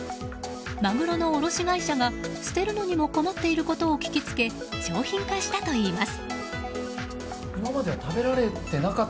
マグロの卸会社が、捨てるのにも困っていることを聞きつけ商品化したといいます。